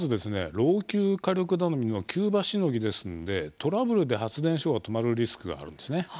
老朽火力頼みの急場しのぎですのでトラブルで発電所が止まるリスクがあるんですね。